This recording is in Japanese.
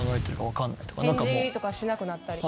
返事とかしなくなったり？